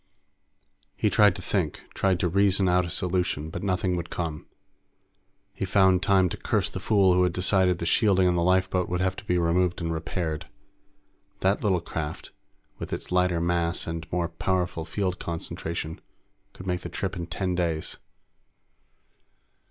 He tried to think, tried to reason out a solution, but nothing would come. He found time to curse the fool who had decided the shielding on the lifeboat would have to be removed and repaired. That little craft, with its lighter mass and more powerful field concentration, could make the trip in ten days.